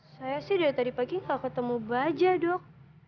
saya sih dari tadi pagi nggak ketemu bajak dok